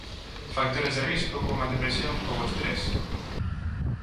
Factores de risco como a depresión ou o estres.